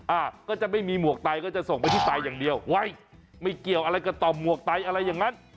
อ่าก็จะไม่มีหมวกไตก็จะส่งไปที่ไตอย่างเดียวไว้ไม่เกี่ยวอะไรกับต่อหมวกไตอะไรอย่างนั้น